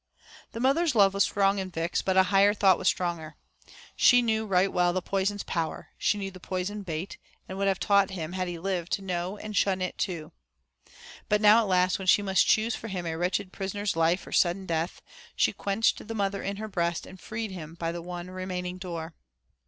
The mother's love was strong in Vix, but a higher thought was stronger. She knew right well the poison's power; she knew the poison bait, and would have taught him had he lived to know and shun it too. But now at last when she must choose for him a wretched prisoner's life or sudden death, she quenched the mother in her breast and freed him by the one remaining door.